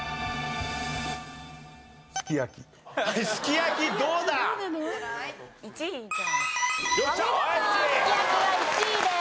すき焼きは１位です。